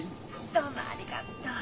どうもありがとう。